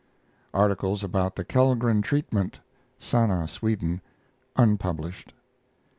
Articles about the Kellgren treatment (Sanna, Sweden) (unpublished).